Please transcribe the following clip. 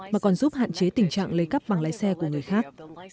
mà còn giúp hạn chế tình trạng lấy cắp bằng lái xe của người khác